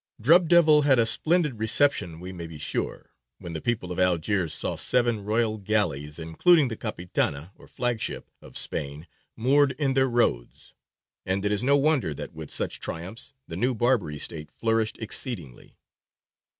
"Drub Devil" had a splendid reception, we may be sure, when the people of Algiers saw seven royal galleys, including the capitana, or flagship, of Spain, moored in their roads; and it is no wonder that with such triumphs the new Barbary State flourished exceedingly.